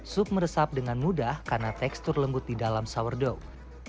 sup meresap dengan mudah karena tekstur lembut di dalam sourdog